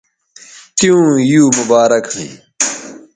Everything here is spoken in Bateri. تیوں یو مبارک ھویں